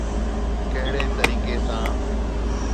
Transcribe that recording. ڪهڙي طريقي سان؟